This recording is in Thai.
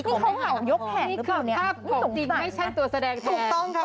ที่เขาเหาะยกแขกหรือเปล่านี่คือค่ะของจริงให้ช่างตัวแสดงแทนคุณฟาศา